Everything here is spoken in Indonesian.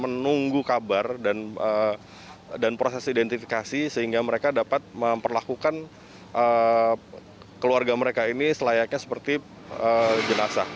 menunggu kabar dan proses identifikasi sehingga mereka dapat memperlakukan keluarga mereka ini selayaknya seperti jenazah